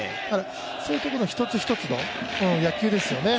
そういうところ一つ一つの野球ですよね。